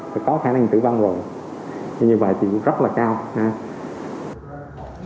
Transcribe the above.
là có khả năng tử vong rồi như vậy thì cũng rất là cao ha